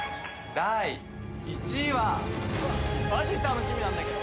第１位はマジ楽しみなんだけど・